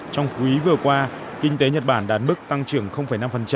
trong quý vừa qua kinh tế nhật bản đạt mức tăng trưởng năm